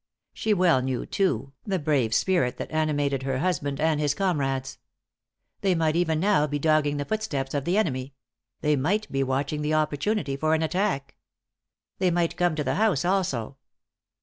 She well knew, too, the brave spirit that animated her husband and his comrades. They might even now be dogging the footsteps of the enemy; they might be watching the opportunity for an attack. They might come to the house also.